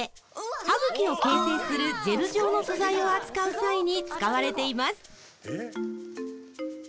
歯茎を形成するジェル状の素材を扱う際に使われています